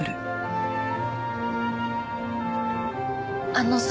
あのさ。